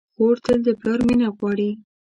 خور تل د پلار مینه غواړي.